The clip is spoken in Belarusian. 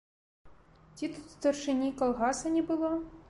Ці тут старшыні калгаса не было?